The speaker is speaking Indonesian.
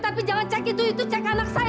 tapi jangan cek itu itu cek anak saya